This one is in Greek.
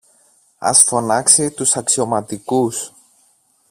Ας φωνάξει τους αξιωματικούς